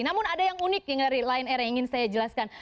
namun ada yang unik yang dari lion air yang ingin saya jelaskan